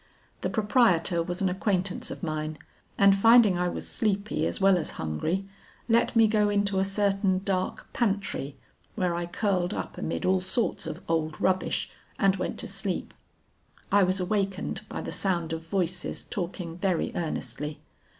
'The proprietor was an acquaintance of mine, and finding I was sleepy as well as hungry, let me go into a certain dark pantry, where I curled up amid all sorts of old rubbish and went to sleep. I was awakened by the sound of voices talking very earnestly.